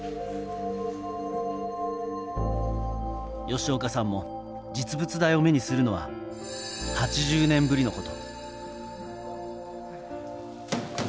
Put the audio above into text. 吉岡さんも実物大を目にするのは８０年ぶりのこと。